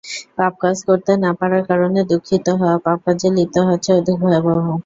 পাপকাজ করতে না পারার কারণে দুঃখিত হওয়া, পাপকাজে লিপ্ত হওয়ার চেয়ে অধিক ভয়াবহ।